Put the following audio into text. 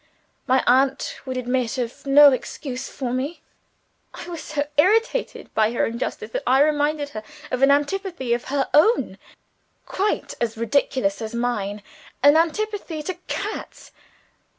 My aunt would admit of no excuse for me. I was so irritated by her injustice, that I reminded her of an antipathy of her own, quite as ridiculous as mine an antipathy to cats.